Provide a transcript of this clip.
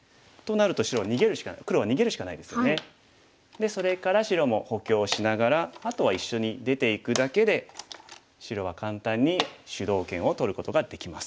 でそれから白も補強しながらあとは一緒に出ていくだけで白は簡単に主導権を取ることができます。